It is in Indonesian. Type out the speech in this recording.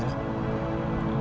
kalau ny tonel leluhur